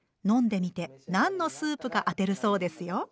飲んでみて何のスープか当てるそうですよ。